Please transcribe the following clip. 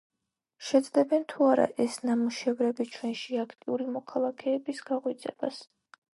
შეძლებენ თუ არა ეს ნამუშევრები ჩვენში აქტიური მოქალაქეების გაღვიძებას.